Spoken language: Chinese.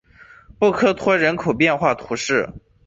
布克托人口变化图示